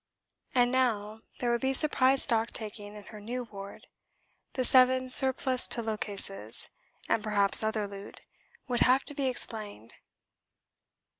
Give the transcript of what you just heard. And now there would be a surprise stocktaking in her new ward: the seven surplus pillow cases and perhaps other loot would have to be explained.